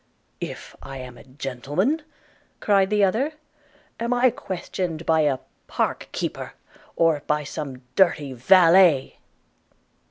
'If I am a gentleman?' cried the other. 'Am I questioned by a park keeper? or by some dirty valet?'